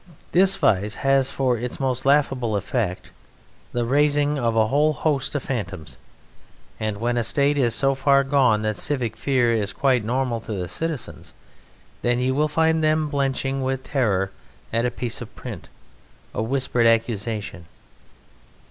This vice has for its most laughable effect the raising of a whole host of phantoms, and when a State is so far gone that civic Fear is quite normal to the citizens, then you will find them blenching with terror at a piece of print, a whispered accusation.